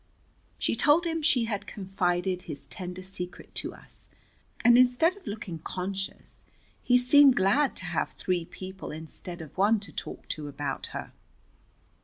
She told him she had confided his tender secret to us, and instead of looking conscious he seemed glad to have three people instead of one to talk to about her.